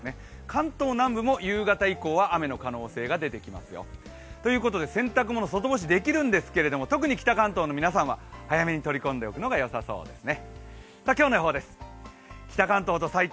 関東南部も雨の可能性がありますよ。ということで洗濯物外干しできるんですけども特に北関東の皆さんは早めに取り込んでおくのがよさそうですね。